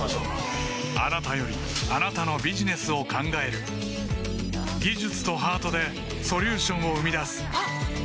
あなたよりあなたのビジネスを考える技術とハートでソリューションを生み出すあっ！